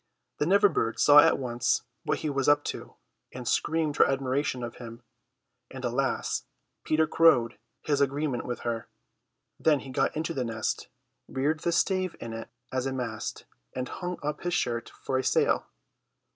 The Never bird saw at once what he was up to, and screamed her admiration of him; and, alas, Peter crowed his agreement with her. Then he got into the nest, reared the stave in it as a mast, and hung up his shirt for a sail.